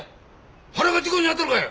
原が事故に遭ったのかよ？